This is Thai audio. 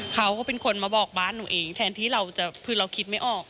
เขาก็เป็นคนมาบอกบ้านหนูเองแทนที่เราจะคือเราคิดไม่ออก